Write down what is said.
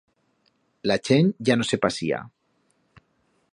La chent ya no se pasía.